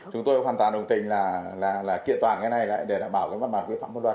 chúng tôi hoàn toàn đồng tình là kiện toàn cái này để đảm bảo văn bản quy phạm văn loạt